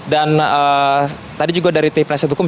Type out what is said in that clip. dan tadi juga dari tim penasihat hukum